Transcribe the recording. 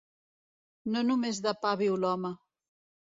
No només de pa viu l'home.